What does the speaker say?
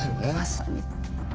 まさに。